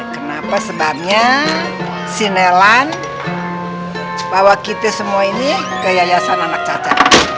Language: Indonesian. kenapa sebarnya si nelan bawa kita semua ini ke yayasan anak caca